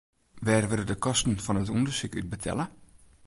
Wêr wurde de kosten fan it ûndersyk út betelle?